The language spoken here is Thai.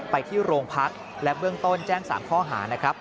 ไปที่โรงพักและเบื้องต้นแจ้ง๓ข้อหานะครับ